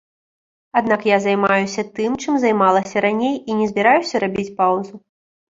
Аднак я займаюся тым, чым займалася раней, і не збіраюся рабіць паўзу.